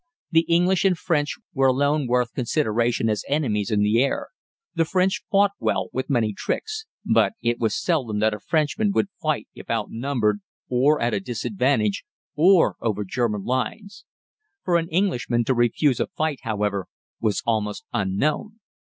The English and French were alone worth consideration as enemies in the air. The French fought well, with many tricks, but it was seldom that a Frenchman would fight if outnumbered or at a disadvantage, or over German lines. For an Englishman to refuse a fight, however, was almost unknown.